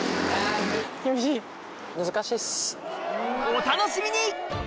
お楽しみに！